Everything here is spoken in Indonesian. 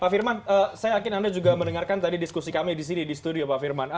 pak firman saya yakin anda juga mendengarkan tadi diskusi kami di sini di studio pak firman